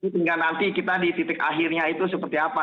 sehingga nanti kita di titik akhirnya itu seperti apa